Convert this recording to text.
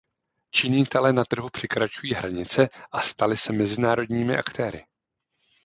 Činitelé na trhu překračují hranice a stali se mezinárodními aktéry.